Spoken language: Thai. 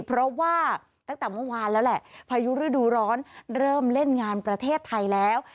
เพราะว่าตั้งแต่เมื่อวานแล้วแหละพายุฤดูร้อนเริ่มเล่นงานประเทศไทยแล้ว